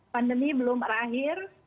pandemi belum berakhir